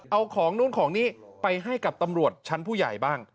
เอาของนู้นของนี้ไปให้กับตำรวจชั้นผู้ใหญ่บ้าง